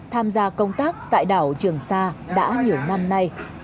tham gia công tác tại đảo trường sa đã nhiều năm nay